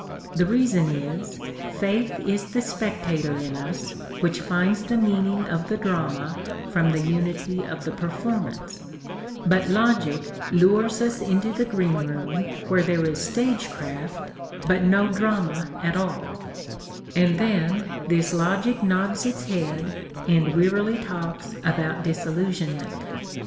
The reason is, faith is the spectator in us which finds the meaning of the drama from the unity of the performance; but logic lures us into the greenroom where there is stagecraft but no drama at all; and then this logic nods its head and wearily talks about disillusionment.